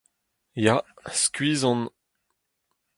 Ya, skuizh on.